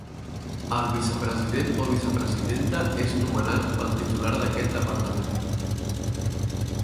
El vicepresident o vicepresidenta és nomenat pel titular d'aquest Departament.